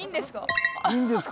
いいんですか？